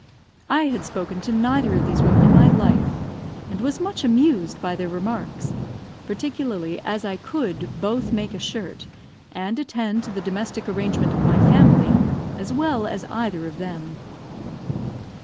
I had spoken to neither of these women in my life, and was much amused by their remarks; particularly as I could both make a shirt, and attend to the domestic arrangement of my family, as well as either of them.